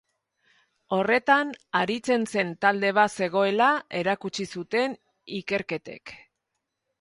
Horretan aritzen zen talde bat zegoela erakutsi zuten ikerketek.